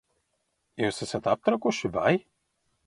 Jūs esat aptrakuši, vai?